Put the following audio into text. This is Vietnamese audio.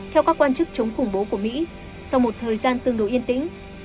theo các quan chức chống khủng bố của mỹ sau một thời gian tương đối yên tĩnh